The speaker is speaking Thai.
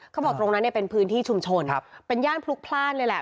เขาบอกตรงนั้นเนี่ยเป็นพื้นที่ชุมชนเป็นย่านพลุกพลาดเลยแหละ